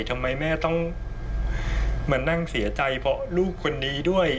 ทำไมแม่ต้องมานั่งเสียใจเพราะลูกคนนี้ด้วย